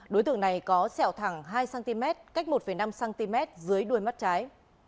đối tượng này có sẹo thẳng hai cm cách một năm cm dưới đuôi mắt trái